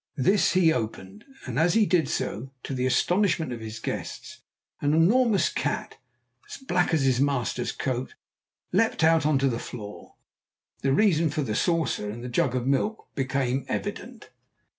This he opened, and as he did so, to the astonishment of his guests, an enormous cat, as black as his master's coat, leaped out on to the floor. The reason for the saucer and jug of milk became evident.